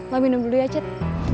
mau minum dulu ya cat